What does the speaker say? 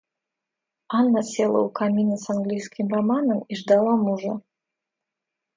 Анна села у камина с английским романом и ждала мужа.